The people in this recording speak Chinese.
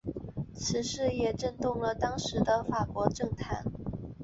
此事也震动了当时的法国政坛。